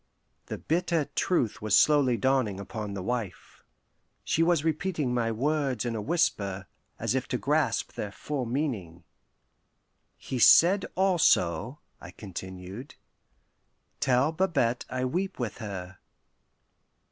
The bitter truth was slowly dawning upon the wife. She was repeating my words in a whisper, as if to grasp their full meaning. "He said also," I continued, "'Tell Babette I weep with her.